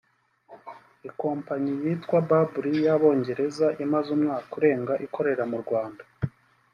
Ikompanyi yitwa “Babyl” y’Abongereza imaze umwaka urenga ikorera mu Rwanda